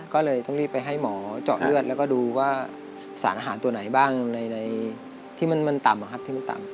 ก็เลยต้องรีบไปให้หมอเจาะเลือดแล้วก็ดูว่าสารอาหารตัวไหนบ้างในที่มันต่ำที่มันต่ำ